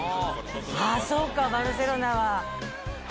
ああそうかバルセロナは。